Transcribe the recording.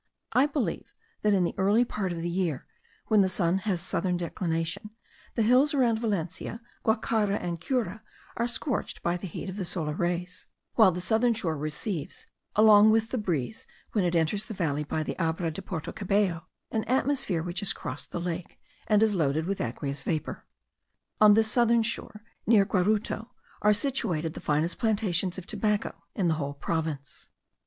I believe that in the early part of the year, when the sun has southern declination, the hills around Valencia, Guacara, and Cura are scorched by the heat of the solar rays, while the southern shore receives, along with the breeze when it enters the valley by the Abra de Porto Cabello, an atmosphere which has crossed the lake, and is loaded with aqueous vapour. On this southern shore, near Guaruto, are situated the finest plantations of tobacco in the whole province.